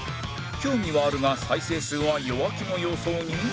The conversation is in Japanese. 興味はあるが再生数は弱気の予想に